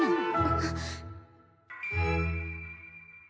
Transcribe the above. あっ。